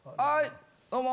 どうも！